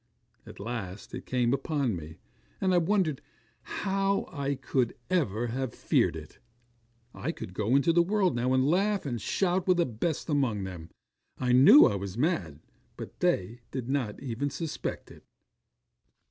'At last it came upon me, and I wondered how I could ever have feared it. I could go into the world now, and laugh and shout with the best among them. I knew I was mad, but they did not even suspect it.